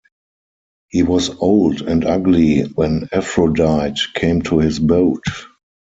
He was old and ugly when Aphrodite came to his boat.